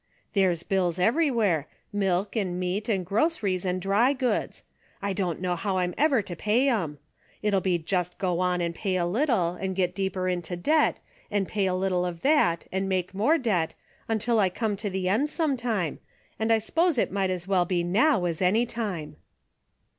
There's bills everywhere, milk and meat and groceries and dry goods. I don't know how I'm ever to pay 'em. It'll be just go on and pay a little, and get deeper into debt, and pay a little of that and make more debt, till I come to the end some time, and I s'pose it might as well be now as any time."